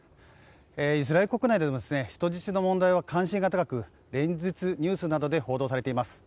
イスラエル国内でも人質の問題は関心が高く連日、ニュースなどで報道されています。